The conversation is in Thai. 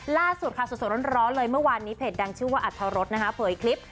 ล่าสุดค่ะสดร้อนเลยเมื่อวานนี้เพจดังชื่อว่าอัธรสนะคะเผยคลิป